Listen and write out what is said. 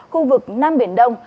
khu vực nam biển đông